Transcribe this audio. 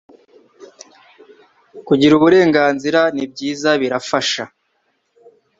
Kugira Uburenganzira n’ibyiza birafasha